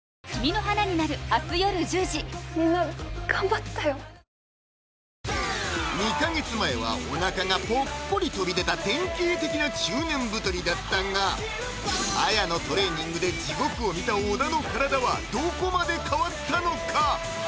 えぇっ⁉２か月前はお腹がぽっこり飛び出た典型的な中年太りだったがＡＹＡのトレーニングで地獄を見た小田の体はどこまで変わったのか？